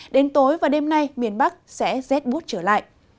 đến tối và đêm nay miền bắc sẽ rét bút trở lại